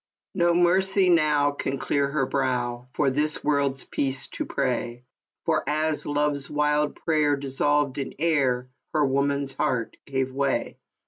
"No mercy now can clear her brow For this world's peace to pray; For, as love's wild prayer dissolved in air. Her woman's heart gave way